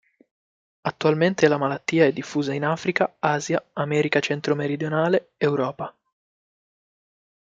Attualmente la malattia è diffusa in Africa, Asia, America centro-meridionale, Europa.